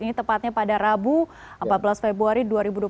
ini tepatnya pada rabu empat belas februari dua ribu dua puluh